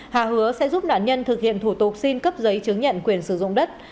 hà hứa sẽ giúp nạn nhân thực hiện thủ tục xin cấp giấy chứng nhận quyền sử dụng đất